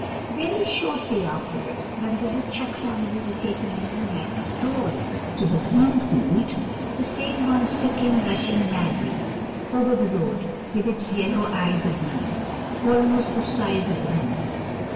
Very shortly after this, when the woodchuck family were taking a moonlight stroll to the bean field, the same monster came rushing madly over the road with its yellow eyes agleam, almost the size of the moon.